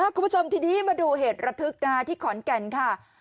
คุณผู้ชมทีนี้มาดูเหตุระทึกที่ขอนแก่นค่ะ